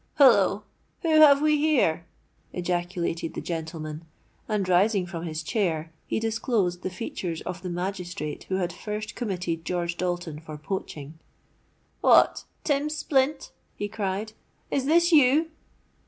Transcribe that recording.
—'Holloa! who have we here?' ejaculated the gentleman; and, rising from his chair, he disclosed the features of the magistrate who had first committed George Dalton for poaching. 'What! Tim Splint!' he cried: 'is this you?'